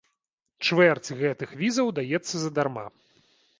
Чвэрць гэтых візаў даецца задарма.